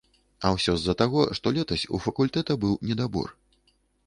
А ўсё з-за таго, што летась у факультэта быў недабор.